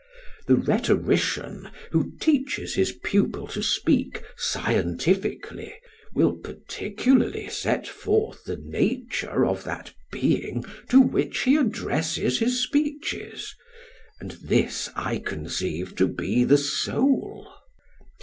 The rhetorician, who teaches his pupil to speak scientifically, will particularly set forth the nature of that being to which he addresses his speeches; and this, I conceive, to be the soul.